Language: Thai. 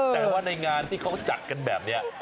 แต่ว่าในงานที่เขาจัดกันแบบนี้